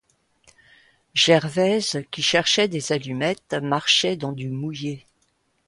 Gervaise, qui cherchait des allumettes, marchait dans du mouillé.